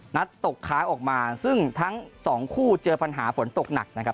นัดตกค้างออกมาซึ่งทั้งสองคู่เจอปัญหาฝนตกหนักนะครับ